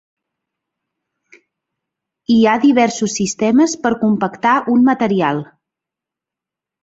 Hi ha diversos sistemes per compactar un material.